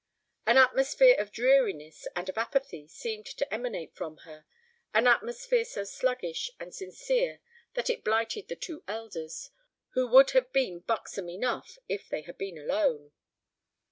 An atmosphere of dreariness and of apathy seemed to emanate from her, an atmosphere so sluggish and sincere that it blighted the two elders, who would have been buxom enough if they had been alone.